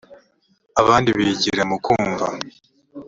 abandi bigira mu kumva